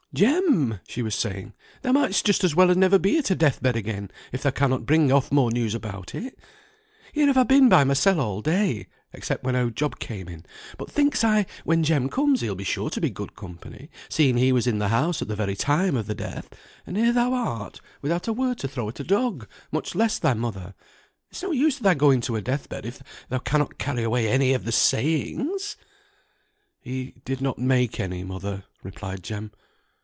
"Jem!" she was saying, "thou might'st just as well never be at a death bed again, if thou cannot bring off more news about it; here have I been by mysel all day (except when oud Job came in), but thinks I, when Jem comes he'll be sure to be good company, seeing he was in the house at the very time of the death; and here thou art, without a word to throw at a dog, much less thy mother: it's no use thy going to a death bed if thou cannot carry away any of the sayings!" "He did not make any, mother," replied Jem.